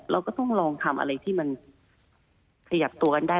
เราก็ต้องลองทำอะไรที่มันขยับตัวกันได้